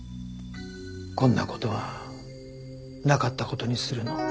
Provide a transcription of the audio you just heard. こんな事はなかった事にするの。